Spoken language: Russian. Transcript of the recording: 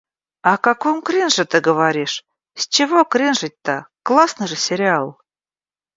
О каком кринже ты говоришь? С чего кринжить-то, классный же сериал!